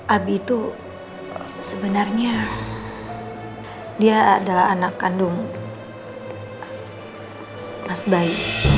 abi itu sebenarnya dia adalah anak kandung mas bayi